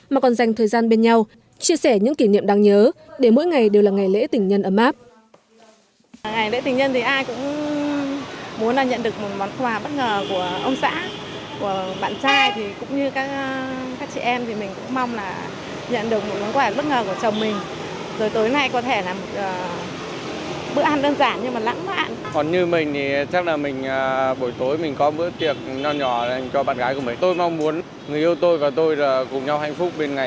mà còn dành thời gian bên nhau chia sẻ những kỷ niệm đáng nhớ để mỗi ngày đều là ngày lễ tình nhân ấm áp